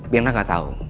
mirna gak tau